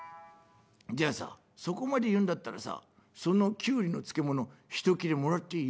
じゃあさそこまで言うんだったらさそのキュウリの漬物１切れもらっていい？」。